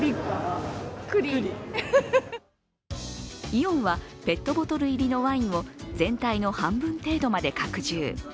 イオンはペットボトル入りのワインを全体の半分程度まで拡充。